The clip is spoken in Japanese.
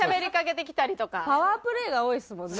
パワープレイが多いですもんね